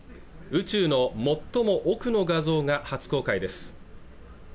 宇宙の最も奥の画像が初公開です